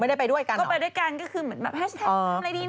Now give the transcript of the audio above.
ไม่ได้ไปด้วยกันเหรอก็ไปด้วยกันก็คือแฮชแท็กทำอะไรดีนะ